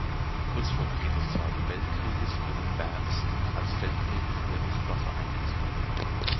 Kurz vor Beginn des Zweiten Weltkrieges wurde Berns als Feldwebel von der Luftwaffe eingezogen.